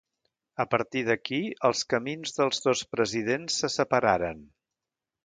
A partir d'aquí, els camins dels dos presidents se separaren.